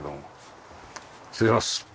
失礼します。